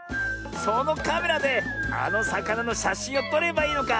そのカメラであのさかなのしゃしんをとればいいのか。